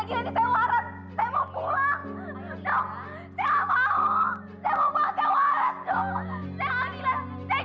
jadi cuma pakai topeng